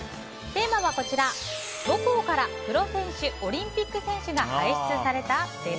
テーマは母校からプロ選手・オリンピック選手が輩出された？